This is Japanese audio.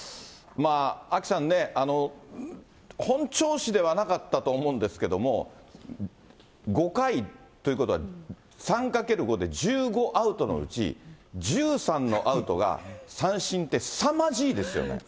アキさんね、本調子ではなかったとは思うんですけれども、５回ということは３×５で１５アウトのうち、１３のアウトが三振って、すさまじいですよね。